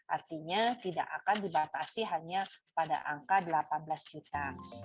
artinya tidak akan dibatasi hanya pada angka delapan belas juta